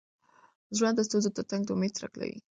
ژوند د ستونزو تر څنګ د امید څرک لري.